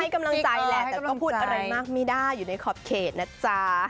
กำลังใจแหละแต่ก็พูดอะไรมากไม่ได้อยู่ในขอบเขตนะจ๊ะ